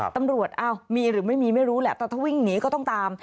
ตำรวจอ้าวมีหรือไม่มีไม่รู้แหละแต่ถ้าวิ่งหนีก็ต้องตาม